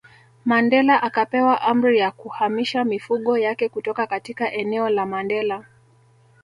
Mandela akapewa amri ya kuhamisha mifugo yake kutoka katika eneo la Mandela